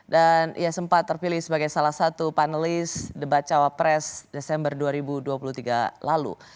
dan ia sempat terpilih sebagai salah satu panelis debat cawa pres desember dua ribu dua puluh tiga lalu